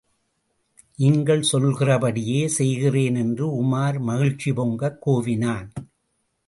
நீங்கள் சொல்கிறபடியே செய்கிறேன் என்று உமார் மகிழ்ச்சி பொங்கக் கூவினான்.